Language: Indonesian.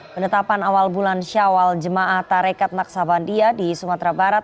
penetapan awal bulan syawal jemaah tarekat naksabandia di sumatera barat